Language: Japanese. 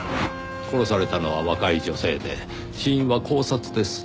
殺されたのは若い女性で死因は絞殺です。